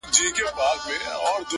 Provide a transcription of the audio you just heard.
روژه چي څوک نيسي جانانه پېشلمی غواړي _